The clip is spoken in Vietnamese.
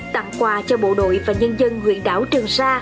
tặng quà cho bộ đội và nhân dân huyện đảo trường sa